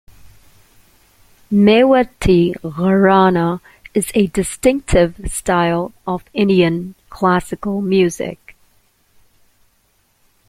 Mewati Gharana is a distinctive style of Indian classical music.